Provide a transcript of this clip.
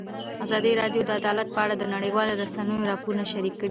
ازادي راډیو د عدالت په اړه د نړیوالو رسنیو راپورونه شریک کړي.